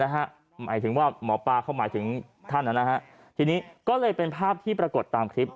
หมายถึงว่าหมอปลาเขาหมายถึงท่านทีนี้ก็เลยเป็นภาพที่ปรากฏตามคลิป